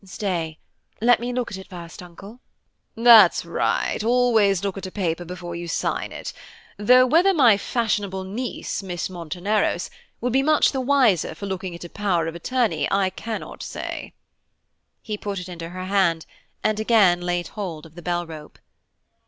"Stay, let me look at it first, Uncle." "That's right, always look at a paper before you sign it; though whether my fashionable niece, Miss Monteneros, will be much the wiser for looking at a power of attorney I cannot say." He put it into her hand and again laid hold of the bell rope.